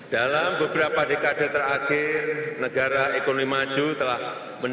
dalam beberapa dekade terakhir negara ekonomi maju telah mendorong dpp physicians